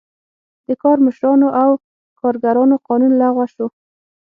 د کارمشرانو او کارګرانو قانون لغوه شو.